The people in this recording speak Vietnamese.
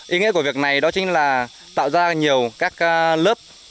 ý nghĩa của việc này đó chính là tạo ra nhiều các lớp